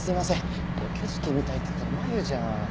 景色見たいって言ったの麻友じゃん。